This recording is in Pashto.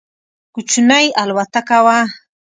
کوچنۍ الوتکه وه.